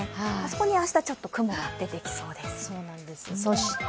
そこに明日、ちょっと雲が出てきそうです。